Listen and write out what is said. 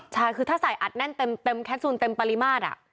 ใช่คือถ้าใส่อัดแน่นเต็มแคสซูลเต็มปริมาตร